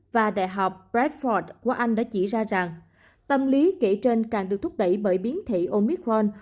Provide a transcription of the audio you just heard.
và đại học platford của anh đã chỉ ra rằng tâm lý kể trên càng được thúc đẩy bởi biến thị omicron